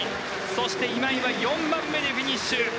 そして今井は４番目でフィニッシュ。